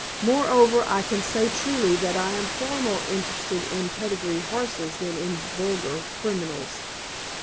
Moreover, I can say truly that I am far more interested in pedigree horses than in vulgar criminals."